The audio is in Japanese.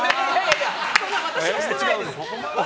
そんな私はしてないです。